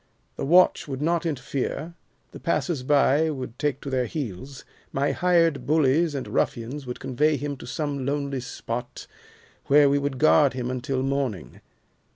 The watch would not interfere, the passers by would take to their heels, my hired bullies and ruffians would convey him to some lonely spot where we would guard him until morning.